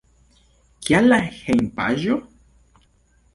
Kial la hejmpaĝo?